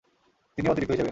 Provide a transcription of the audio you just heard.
তিনিও অতিরিক্ত হিসেবে।